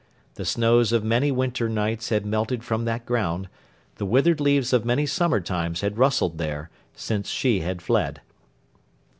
The snows of many winter nights had melted from that ground, the withered leaves of many summer times had rustled there, since she had fled.